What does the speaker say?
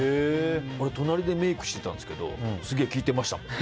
隣でメイクしてたんですけどすげえ聞いてました。